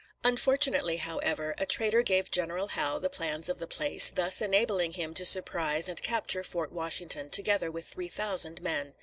Unfortunately, however, a traitor gave General Howe the plans of the place, thus enabling him to surprise and capture Fort Washington, together with three thousand men.